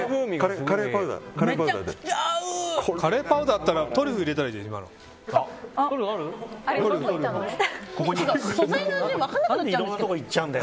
カレーパウダーだったらトリュフ入れたらいいじゃん。